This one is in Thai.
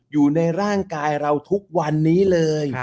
อยู่ในร่างกายเราทุกวันนี้เลย